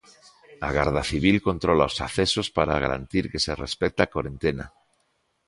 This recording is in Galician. A Garda Civil controla os accesos para garantir que se respecta a corentena.